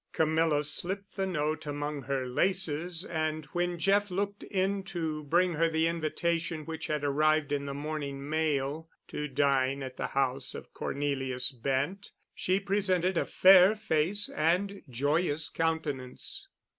Camilla slipped the note among her laces, and when Jeff looked in to bring her the invitation which had arrived in the morning mail to dine at the house of Cornelius Bent, she presented a fair face and joyous countenance.